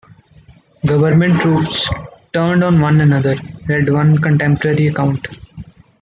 "Government troops turned on one another," read one contemporary account.